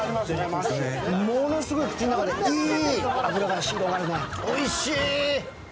ものすごい口の中で、いい脂が広がるね。